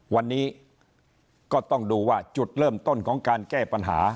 วันนี้ก็ต้องดูว่าจุดเริ่มต้นของการแก้ปัญหา